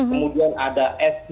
kemudian ada sdr